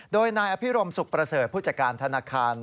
โดยนายอภิรมสุขประเสริฐผู้จัดการธนาคาร